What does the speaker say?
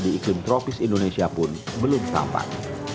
di iklim tropis indonesia pun belum tampak